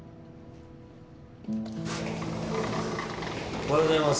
おはようございます。